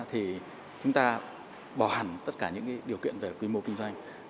thì chúng ta bỏ hẳn tất cả những điều kiện về quy mô kinh doanh